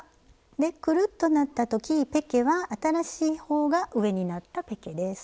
でくるっとなった時ペケは新しい方が上になったペケです。